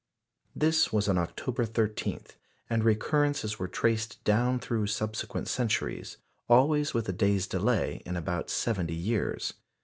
This was on October 13, and recurrences were traced down through the subsequent centuries, always with a day's delay in about seventy years.